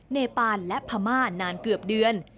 เนปานและพม่านานเกือบเดือน